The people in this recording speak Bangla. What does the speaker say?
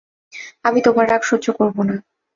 আমি তোমার রাগ সহ্য করব না।